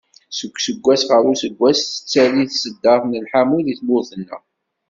Seg useggas ɣer useggas tettali tseddart n lḥamu deg tmurt-nneɣ